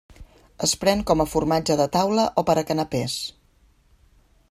Es pren com a formatge de taula o per a canapès.